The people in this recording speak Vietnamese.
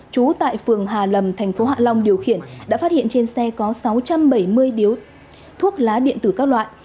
trú tại phường hà lầm tp hạ long điều khiển đã phát hiện trên xe có sáu trăm bảy mươi điếu thuốc lá điện tử các loại